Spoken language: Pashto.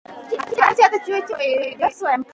د افغانستان ټول قومونه بايد پښتو زده کړي.